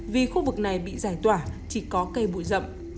vì khu vực này bị giải tỏa chỉ có cây bụi rậm